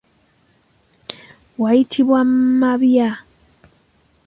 Wayitibwa mabya.